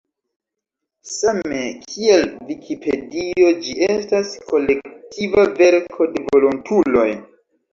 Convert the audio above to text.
Same kiel Vikipedio, ĝi estas kolektiva verko de volontuloj.